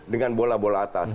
dengan bola bola atas